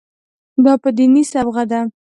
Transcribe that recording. دا په دیني صبغه ده.